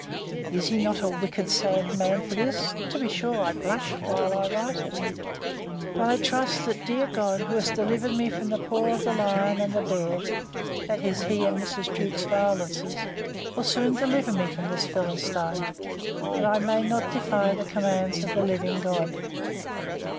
Is he not a wicked, sad man for this?—To be sure, I blush while I write it. But I trust, that that God, who has delivered me from the paw of the lion and the bear; that is, his and Mrs. Jewkes's violences, will soon deliver me from this Philistine, that I may not defy the commands of the living God!